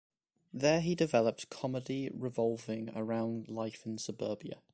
There, he developed comedy revolving around life in suburbia.